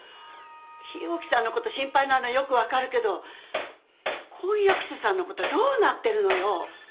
日置さんのこと心配なのはよく分かるけど婚約者さんのことはどうなってるのよ。